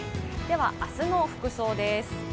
明日の服装です。